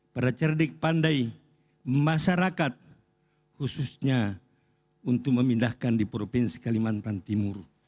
para cerdik pandai masyarakat khususnya untuk memindahkan di provinsi kalimantan timur